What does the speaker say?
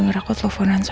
ya udah deh aku telfon aja